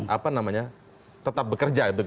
apa namanya tetap bekerja